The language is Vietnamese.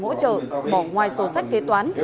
hỗ trợ bỏ ngoài số sách kế toán